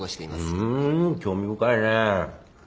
ふーん興味深いね。